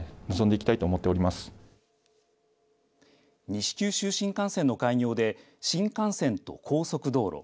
西九州新幹線の開業で新幹線と高速道路